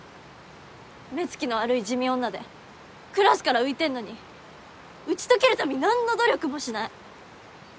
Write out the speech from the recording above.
目つきの悪い地味女でクラスから浮いてんのに打ち解けるために何の努力もしない。